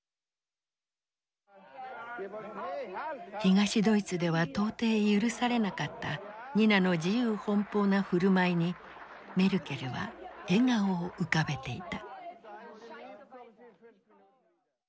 東ドイツでは到底許されなかったニナの自由奔放な振る舞いにメルケルは笑顔を浮かべていた。